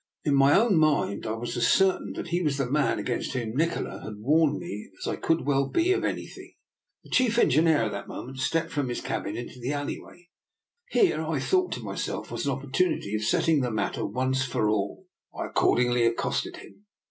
In my own mind I was as cer tain that he was the man against whom Nikola w^4^a lOO DR NIKOLA'S EXPERIMENT. had warned me as I could well be of anything. The chief engineer at that moment stepped from his cabin into the alleyway. Here, I thought to myself; was an opportunity of set tling the matter once for all. I accordingly accosted him.